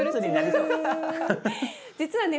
実はね